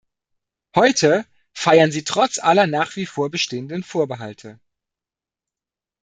Heute feiern sie trotz aller nach wie vor bestehenden Vorbehalte.